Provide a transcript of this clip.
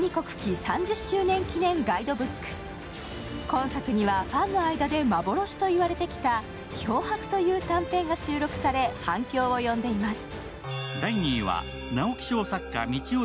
今作にはファンの間で幻と言われてきた「漂白」という短編が収録され反響を呼んでいます。